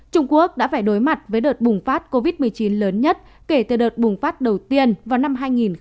trung quốc đã phải đối mặt với đợt bùng phát covid một mươi chín lớn nhất kể từ đợt bùng phát đầu tiên vào năm hai nghìn hai mươi